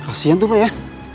kasian tuh pak ya